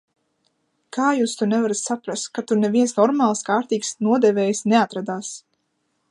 Kā jūs to nevarat saprast, ka tur neviens normāls, kārtīgs nodevējs neatradās!